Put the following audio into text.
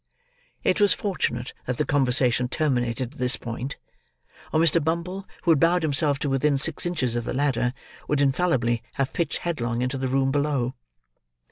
It was fortunate that the conversation terminated at this point, or Mr. Bumble, who had bowed himself to within six inches of the ladder, would infallibly have pitched headlong into the room below.